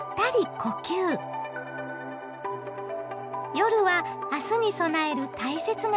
夜は明日に備える大切な時間。